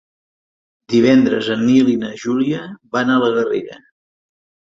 Divendres en Nil i na Júlia van a la Garriga.